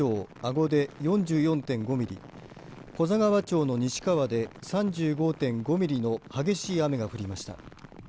古座川町の西川で３５．５ミリの激しい雨が降りました。